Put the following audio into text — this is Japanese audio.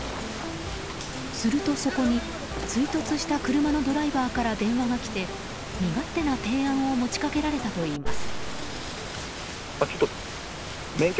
すると、そこに追突した車のドライバーから電話が来て身勝手な提案を持ち掛けられたといいます。